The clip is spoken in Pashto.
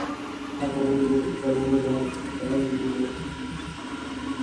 هغه ونه بله نه ده د علم ونه ده.